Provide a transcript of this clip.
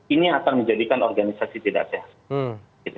ini akan menjadikan organisasi tidak sehat